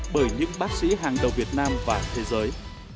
bởi những bác sĩ hàng đầu việt nam và thế giới